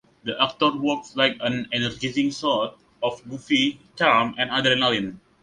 The actor works like an energizing shot of goofy charm and adrenaline.